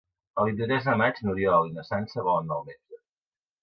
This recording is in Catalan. El vint-i-tres de maig n'Oriol i na Sança volen anar al metge.